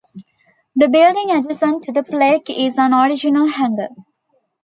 The building adjacent to the plaque is an original hangar.